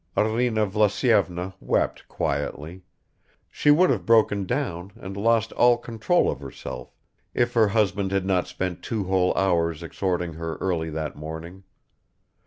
Arina Vlasyevna wept quietly; she would have broken down and lost all control of herself if her husband had not spent twc whole hours exhorting her early that morning.